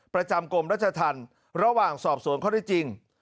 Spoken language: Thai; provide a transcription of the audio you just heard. ประจำกลมรัชทันระหว่างสอบสวนข้อติดจริง